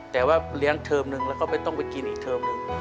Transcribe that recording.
แต่ว่าเลี้ยงเทอมหนึ่งแล้วก็ไม่ต้องไปกินอีกเทอมหนึ่ง